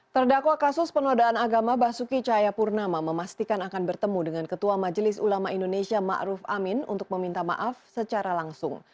terdakwa kasus penodaan agama basuki cahayapurnama memastikan akan bertemu dengan ketua majelis ulama indonesia ⁇ maruf ⁇ amin untuk meminta maaf secara langsung